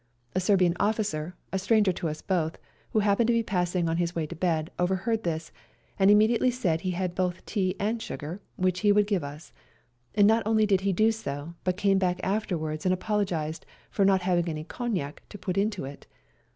A Serbian offioer, a stranger to us both, who happened to be passing on his way to bed, overheard this, and immediately said he had both tea and sugar, which he would give us ; and not only did he do this, but came back afterwards and apologised for not having any cognac to put into it.